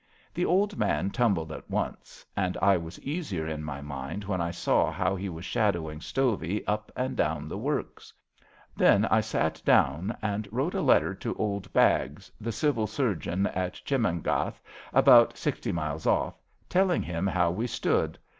The old man tumbled at once, and I was easier in my mind when I saw how he was shadowing Stovey up and down the works. Then I sat down and wrote a letter to old Baggs, the Civil Surgeon at Chemanghath, about sixty miles off, telling him how we stood.